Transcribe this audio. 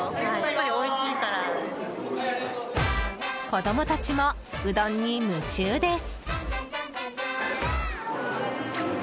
子供たちも、うどんに夢中です。